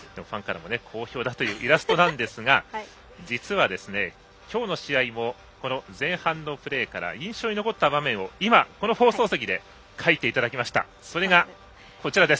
ファンからも好評だというイラストですが実は、今日の試合も前半のプレーから印象に残った場面をこの放送席で描いていただきました。